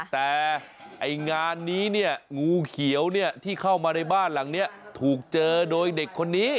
แต่ไอ้งานนี้เนี่ยงูเขียวเนี่ยที่เข้ามาในบ้านหลังนี้ถูกเจอโดยเด็กคนนี้